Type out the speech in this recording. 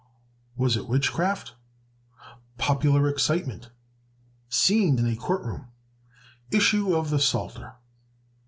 Was it Witchcraft? Popular Excitement. Scene in a Court Room. Issue of the Psalter.